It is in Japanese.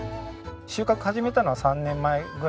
収穫始めたのは３年前ぐらいから。